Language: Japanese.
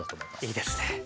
いいですね。